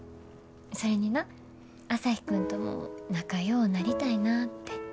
それにな朝陽君とも仲良うなりたいなぁって。